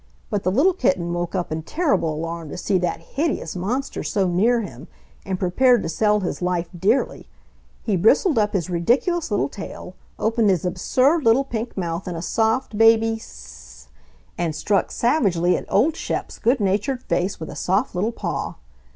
But the little kitten woke up in terrible alarm to see that hideous monster so near him, and prepared to sell his life dearly. He bristled up his ridiculous little tail, opened his absurd, little pink mouth in a soft, baby s s s , and struck savagely at old Shep's good natured face with a soft little paw.